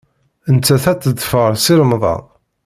Nettat ad teḍfer Si Remḍan.